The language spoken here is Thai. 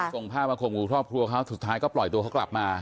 ส่งผ้ามาข่มขู่ครอบครัวเขาสุดท้ายก็ปล่อยตัวเขากลับมา